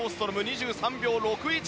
２３秒６１